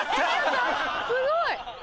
すごい！